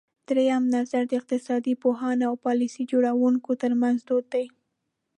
درېیم نظر د اقتصاد پوهانو او پالیسۍ جوړوونکو ترمنځ دود دی.